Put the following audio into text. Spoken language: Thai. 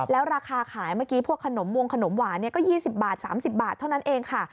แล้วราคาขายเมื่อกี้พวกขนมวงขนมหวานก็๒๐บาท๓๐บาทเท่านั้นเองค่ะ